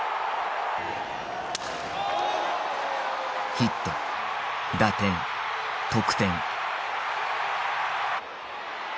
ヒット打点得点。